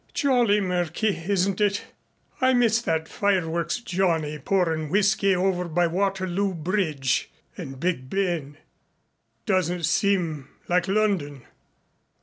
"Jolly murky, isn't it? I miss that fireworks Johnny pourin' whiskey over by Waterloo Bridge and Big Ben. Doesn't seem like London.